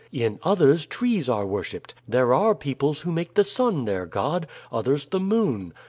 In others trees are worshiped. There are peoples who make the sun their god. Others the moon.